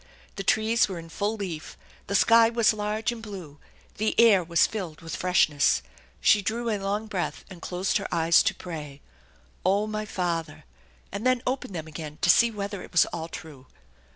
The trees were in full leaf; the sky was large and blue; the air was filled with freshness. She drew a long breath ; and closed her eyes to pray, " Oh, my Father I " and then opened them again to see whether it was all true.